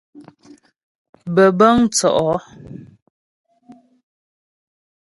Bə̀bə̂ŋ tsɔ́' ɔ.